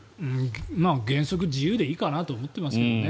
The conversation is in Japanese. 原則、自由でいいかなと思ってますけどね。